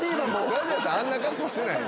ナジャさんあんな格好してない。